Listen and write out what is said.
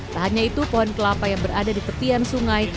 tak hanya itu pohon kelapa yang berada di tepian sungai